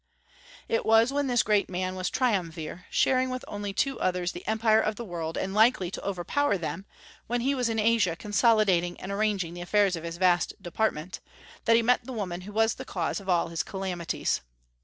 It was when this great man was Triumvir, sharing with only two others the empire of the world, and likely to overpower them, when he was in Asia consolidating and arranging the affairs of his vast department, that he met the woman who was the cause of all his calamities.